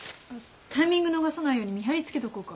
タイミング逃さないように見張りつけとこうか？